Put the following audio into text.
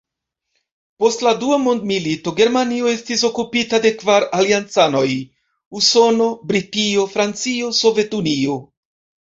Post la dua mondmilito, Germanio estis okupita de kvar aliancanoj: Usono, Britio, Francio, Sovetunio.